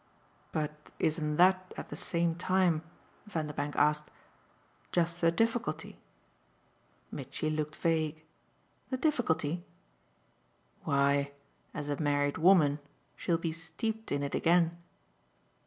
"But isn't that at the same time," Vanderbank asked, "just the difficulty?" Mitchy looked vague. "The difficulty?" "Why as a married woman she'll be steeped in it again."